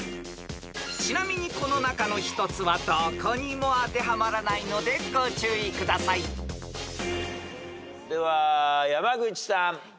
［ちなみにこの中の一つはどこにも当てはまらないのでご注意ください］では山口さん。